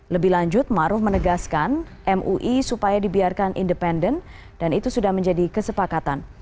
lebih lanjut maruf menegaskan mui supaya dibiarkan independen dan itu sudah menjadi kesepakatan